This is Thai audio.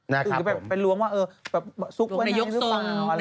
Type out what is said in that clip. นะครับะผมถึงเป็นรวงว่าเออสุกบ้างหรือเปล่าอะไรถึงตรงในยกทรง